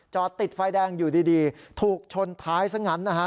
ติดไฟแดงอยู่ดีถูกชนท้ายซะงั้นนะฮะ